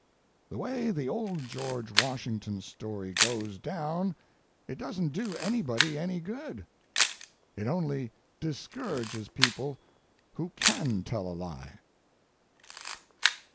The way the old George Washington story goes down it doesn't do anybody any good. It only discourages people who can tell a lie.